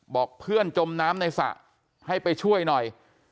บอกเพื่อนจมน้ำในสระให้ไปช่วยหน่อย